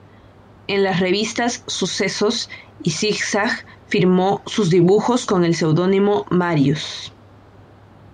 En las revistas "Sucesos" y Zig-Zag firmó sus dibujos con el seudónimo ""Marius"".